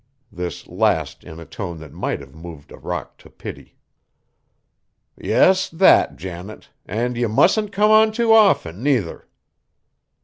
This last in a tone that might have moved a rock to pity. "Yes, that, Janet; and ye mustn't come on too often, nuther."